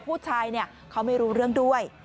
ผู้ชายเขาไม่รู้เรื่องด้วย